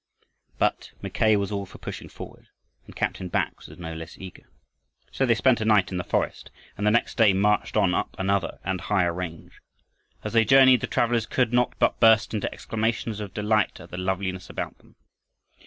But Mackay was all for pushing forward, and Captain Bax was no less eager. So they spent a night in the forest and the next day marched on up another and higher range. As they journeyed, the travelers could not but burst into exclamations of delight at the loveliness about them.